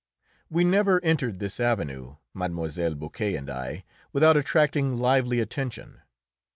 We never entered this avenue, Mlle. Boquet and I, without attracting lively attention.